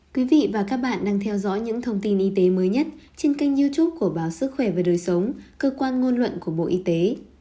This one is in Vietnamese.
các bạn đang theo dõi những thông tin y tế mới nhất trên kênh youtube của báo sức khỏe và đời sống cơ quan ngôn luận của bộ y tế